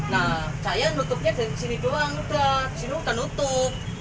nah saya nutupnya dari sini doang udah di sini udah nutup